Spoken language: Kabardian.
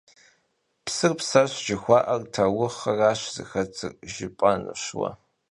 «Psır pseş» jjıxua'er taurıxhraş zıxetır ,— jjıp'enş vue.